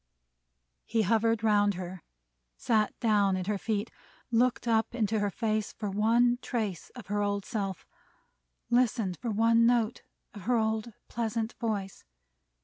He hovered round her; sat down at her feet; looked up into her face for one trace of her old self; listened for one note of her old pleasant voice.